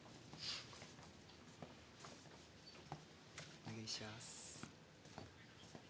お願いします。